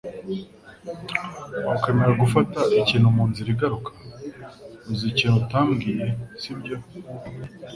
Wakwemera gufata ikintu munzira igaruka? Uzi ikintu utambwiye, sibyo?